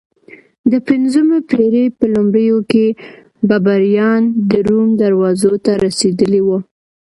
د پنځمې پېړۍ په لومړیو کې بربریان د روم دروازو ته رسېدلي وو